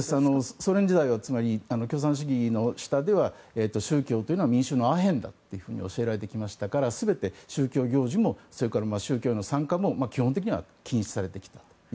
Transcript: ソ連時代は共産主義の下では宗教というのは民衆のアヘンだと伝えられてきましたから全て宗教行事も、宗教への参加も禁止されてきたと。